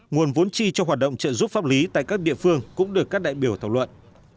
nguồn vốn chi cho hoạt động trợ giúp pháp lý tại các địa phương cũng được các đại biểu thảo luận